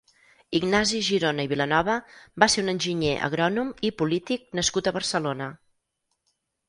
Ignasi Girona i Vilanova va ser un enginyer agrònom i polític nascut a Barcelona.